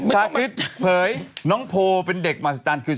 ชาคริสเผยน้องโพเป็นเด็กมาสตัน